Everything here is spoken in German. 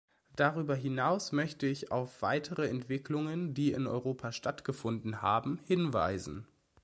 Darüber hinaus möchte ich auf weitere Entwicklungen, die in Europa stattgefunden haben, hinweisen.